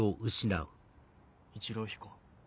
一郎彦。